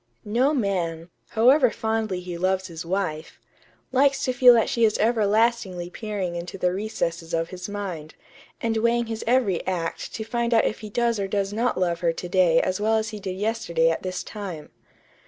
"No man, however fondly he loves his wife, likes to feel that she is everlastingly peering into the recesses of his mind, and weighing his every act to find out if he does or does not love her to day as well as he did yesterday at this time....